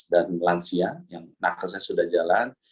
dan lansia yang nakesnya sudah jalan